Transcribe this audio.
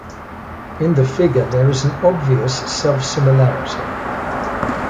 In the figure there is an obvious self-similarity.